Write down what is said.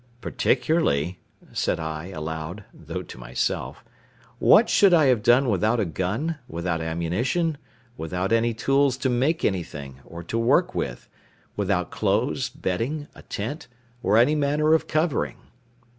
"Particularly," said I, aloud (though to myself), "what should I have done without a gun, without ammunition, without any tools to make anything, or to work with, without clothes, bedding, a tent, or any manner of covering?"